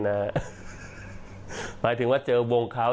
หมายถึงว่าเจอวงเขา